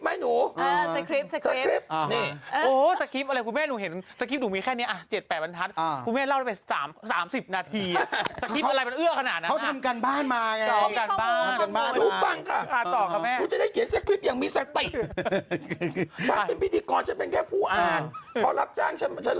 ไม่มีเล่าเรื่องสคริปต์อ๋อโอเคสคริปต์สคริปต์สคริปต์สคริปต์สคริปต์สคริปต์สคริปต์สคริปต์สคริปต์สคริปต์สคริปต์สคริปต์สคริปต์